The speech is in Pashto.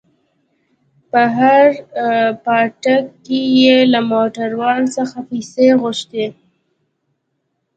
په هر پاټک کښې يې له موټروان څخه پيسې غوښتې.